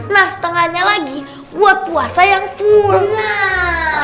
nah setengahnya lagi buat puasa yang punya